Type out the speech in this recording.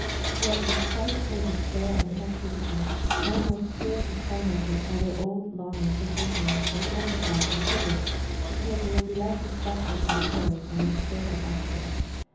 Yet in spite of their despair and inactivity, men will still be tormented by their old longing for happiness intensified and quickened, because they will be less distracted by cares, and the stir of action.